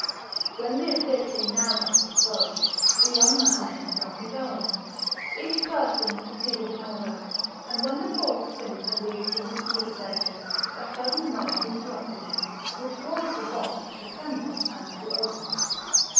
When the afflicting narrative was closed, the young man entered on his own. Each person proceeded in order, and when the fourth prince had reached the midst of his adventures, a sudden noise interrupted him, which caused the vault to tremble and to open.